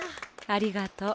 ありがとう。